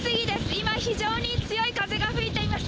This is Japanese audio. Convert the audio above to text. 今、非常に強い風が吹いています。